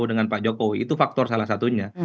dengan pak jokowi itu faktor salah satunya